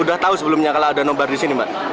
udah tau sebelumnya kalau ada nobar disini mbak